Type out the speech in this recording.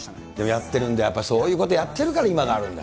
やってるんだ、やっぱりそういうことをやってるから今があるんだ。